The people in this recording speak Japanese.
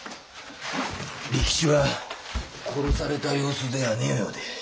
利吉は殺された様子ではねえようで。